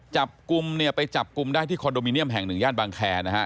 จับกลุ่มเนี่ยไปจับกลุ่มได้ที่คอนโดมิเนียมแห่งหนึ่งย่านบางแคร์นะฮะ